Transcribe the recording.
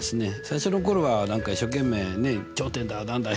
最初の頃は何か一生懸命ね頂点だ何だ